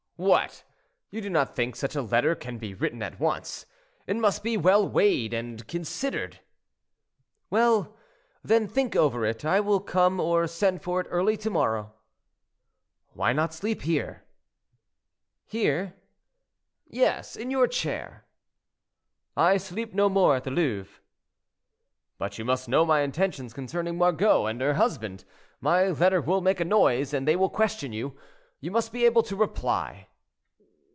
"What! you do not think such a letter can be written at once. It must be well weighed and considered." "Well, then, think over it. I will come or send for it early to morrow." "Why not sleep here?" "Here?" "Yes, in your chair." "I sleep no more at the Louvre." "But you must know my intentions concerning Margot and her husband. My letter will make a noise, and they will question you; you must be able to reply."